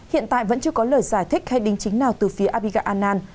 hiện tại vẫn chưa có lời giải thích hay đính chính nào từ phía abiga an